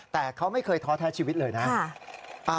แต่เขาไม่เคยท้อแท้ชีวิตเลยนะ